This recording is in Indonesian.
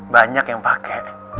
banyak yang pake